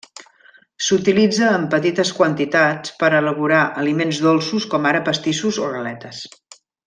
S'utilitza en petites quantitats per elaborar aliments dolços, com ara pastissos o galetes.